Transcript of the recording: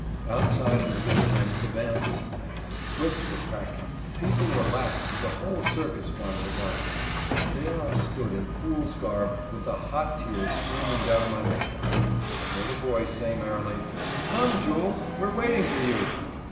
Outside in the big tent the band was playing; whips were cracking; people were laughing; the whole circus fun was on. There I stood in fool's garb, with the hot tears streaming down my make up. I heard a voice say merrily: "Come, Jules, we're waiting for you."